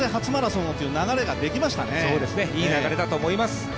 いい流れだと思います。